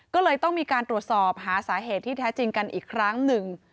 ก็เลยต้องมีการตรวจสอบหาสาเหตุที่แท้จริงกันอีกครั้งหนึ่ง